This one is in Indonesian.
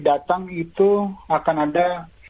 datang itu akan ada